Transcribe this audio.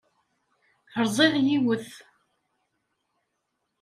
Rẓiɣ yiwet.